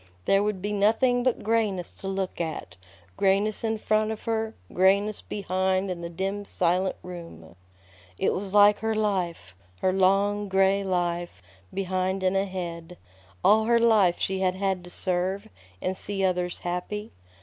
There Would be nothing but grayness to look at, grayness in front of her, grayness behind in the dim, silent room. It was like her life, her long, gray life, behind and ahead. All her life she had had to serve, and see others happy.